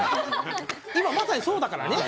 今まさにそうだからね。